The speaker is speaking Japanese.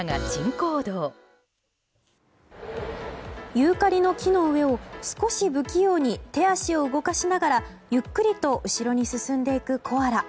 ユーカリの木の上を少し不器用に手足を動かしながらゆっくりと後ろに進んでいくコアラ。